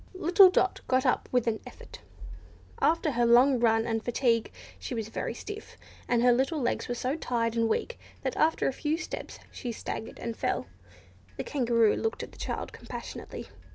Little Dot got up with an effort. After her long run and fatigue, she was very stiff, and her little legs were so tired and weak, that after a few steps she staggered and fell. The Kangaroo looked at the child compassionately.